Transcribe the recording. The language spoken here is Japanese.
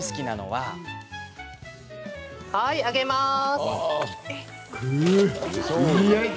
はーい、あげます！